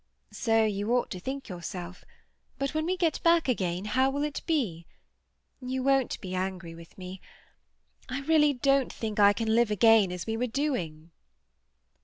"So you ought to think yourself. But when we get back again, how will it be? You won't be angry with me? I really don't think I can live again as we were doing."